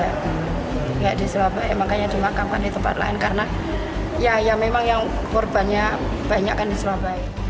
tidak di surabaya makanya dimakamkan di tempat lain karena ya memang yang korbannya banyak kan di surabaya